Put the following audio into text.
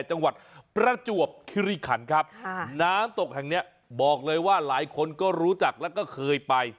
จังหวัดประจวบคิริขันครับค่ะน้ำตกแห่งเนี้ยบอกเลยว่าหลายคนก็รู้จักแล้วก็เคยไป